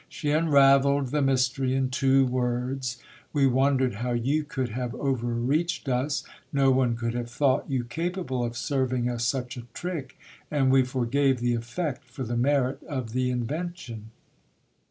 She unravelled the mystery in two words. We wondered how you could have overreached us ; no one could have thought you capable of serving us such a trick, and we forgave the effect for the merit of the invention.